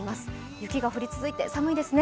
雪が降り続いて寒いですね。